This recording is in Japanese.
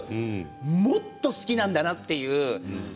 もっと好きなんだなっていう。